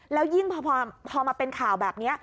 แล้วยิ่งพอมาเป็นข่าวแบบนี้